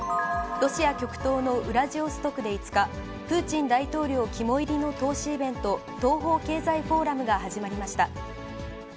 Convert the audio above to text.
ロシア極東のウラジオストクで５日、プーチン大統領肝煎りの投資イベント、東方経済フォーラムが始まりました。